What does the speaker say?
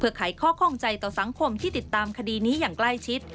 ขายข้อข้องใจต่อสังคมที่ติดตามคดีนี้อย่างใกล้ชิด